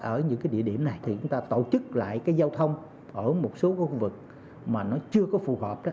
ở những địa điểm này chúng ta tổ chức lại giao thông ở một số khu vực mà nó chưa có phù hợp